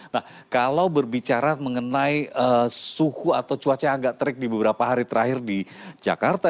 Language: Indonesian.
nah kalau berbicara mengenai suhu atau cuaca yang agak terik di beberapa hari terakhir di jakarta